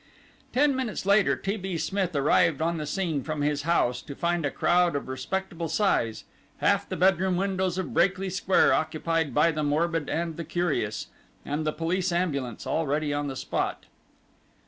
Ten minutes later T. B. Smith arrived on the scene from his house, to find a crowd of respectable size, half the bedroom windows of Brakely Square occupied by the morbid and the curious, and the police ambulance already on the spot.